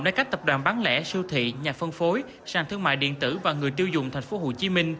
nơi các tập đoàn bán lẻ siêu thị nhà phân phối sản thương mại điện tử và người tiêu dùng tp hcm